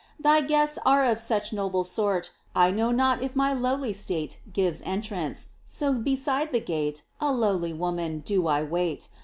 Thy guests are of such noble sort I know not if my lowly state Gives entrance, so beside the gate, A lowly woman, do I wait.